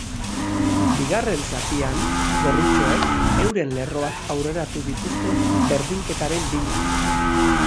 Bigarren zatian, gorritxoek euren lerroak aurreratu dituzte berdinketaren bila.